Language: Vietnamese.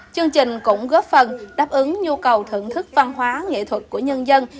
chương trình cũng góp phần đáp ứng nhu cầu thưởng thức văn hóa nghệ thuật của nhân dân